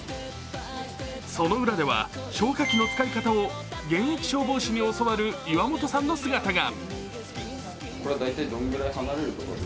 その裏では、消火器の使い方を現役消防士に教わる岩本さんの姿が。